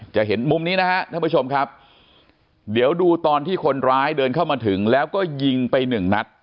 จะเห็นมุมนี้นะฮะท่านผู้ชมครับเดี๋ยวดูตอนที่คนร้ายเดินเข้ามาถึงแล้วก็ยิงไปหนึ่งนัด